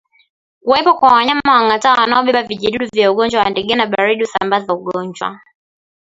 Kuwepo kwa wanyama wangatao wanaobeba vijidudu vya ugonjwa wa ndigana baridi husambaza ugonjwa